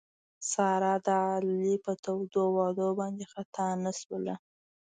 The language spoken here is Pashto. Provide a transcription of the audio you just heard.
ساره د علي په تودو وعدو باندې خطا نه شوله.